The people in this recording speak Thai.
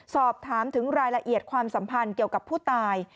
สอบถามถึงรายละเอียดความสัมพันธ์เกี่ยวกับผู้ตาย